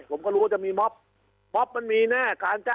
ผมก็รู้จะมีม็อบม็อบมันมีแน่